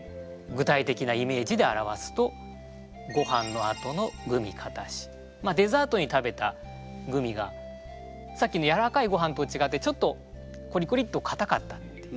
具体的なイメージで表すとまあデザートに食べたグミがさっきのやわらかいごはんと違ってちょっとコリコリッとかたかった。